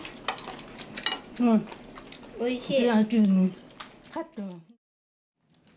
おいしい。